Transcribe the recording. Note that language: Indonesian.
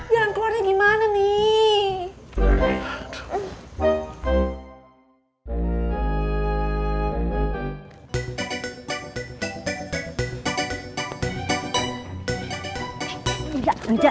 yang keluar gimana nih